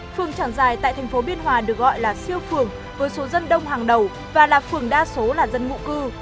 phường trảng dài tại tp biên hòa được gọi là siêu phường với số dân đông hàng đầu và là phường đa số là dân ngụ cư